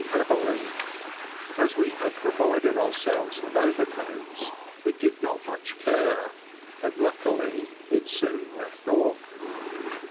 heavily ; as we had provided ourselves with overcoats, we did not much care, but luckily it soon left off.